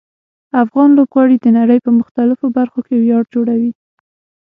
افغان لوبغاړي د نړۍ په مختلفو برخو کې ویاړ جوړوي.